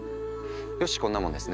よしこんなもんですね。